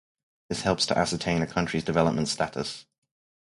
This helps to ascertain a country's development status.